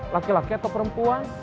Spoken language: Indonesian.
laki laki atau perempuan